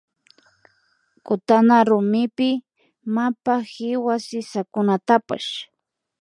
Kutana rumipi mapa kiwa sisakunatapsh